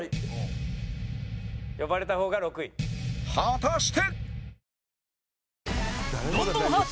果たして